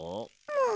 もう！